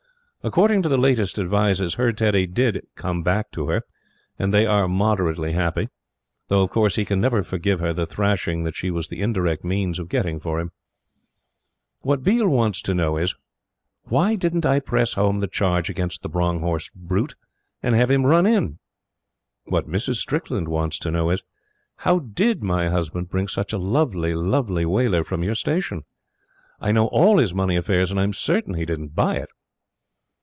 According to the latest advices, her Teddy did "come back to her," and they are moderately happy. Though, of course, he can never forgive her the thrashing that she was the indirect means of getting for him. ......... What Biel wants to know is: "Why didn't I press home the charge against the Bronckhorst brute, and have him run in?" What Mrs. Strickland wants to know is: "How DID my husband bring such a lovely, lovely Waler from your Station? I know ALL his money affairs; and I'm CERTAIN he didn't BUY it."